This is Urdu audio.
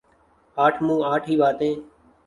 آٹھ منہ آٹھ ہی باتیں ۔